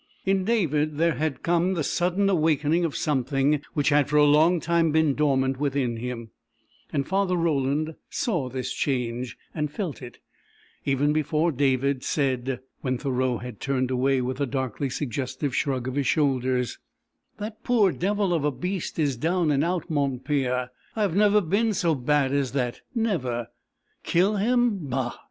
In David there had come the sudden awakening of something which had for a long time been dormant within him, and Father Roland saw this change, and felt it, even before David said, when Thoreau had turned away with a darkly suggestive shrug of his shoulders: "That poor devil of a beast is down and out, mon Père. I have never been so bad as that; never. Kill him? Bah!